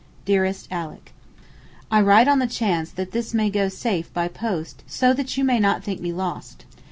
DEAREST ALICK, I write on the chance that this may go safe by post so that you may not think me lost.